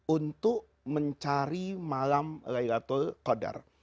untuk mencari malam laylatul qadar